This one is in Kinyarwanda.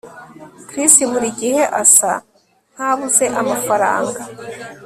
Chris burigihe asa nkabuze amafaranga